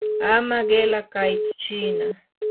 ama qila kaytsu chiina.